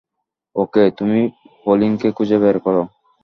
ওকে, তুমি পলিনকে খুঁজে বের করো।